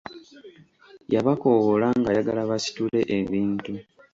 Yabakoowoola ng'ayagala basitule ebintu.